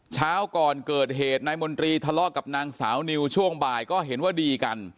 เช้าก่อนเกิดเหตุนายมนตรีทะเลาะกับนางสาวนิวช่วงบ่ายก็เห็นว่าดีกัน